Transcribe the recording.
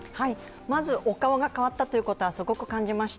まずお顔が変わったということはすごく感じました。